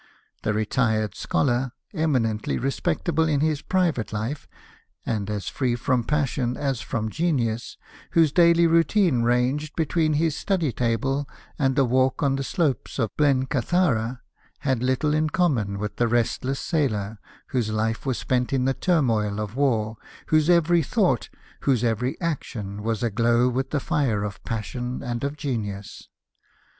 The retired scholar, eminently respectable in his private life, and as free from pas sion as from genius, whose daily routine ranged between his study table and a walk on the slopes of Blencathara, had little in common with the rest less sailor, whose life was spent in the turmoil of war, whose every thought, whose every action was aglow with the fire of passion and of genius.